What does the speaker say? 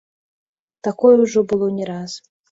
Такое ўжо было не раз.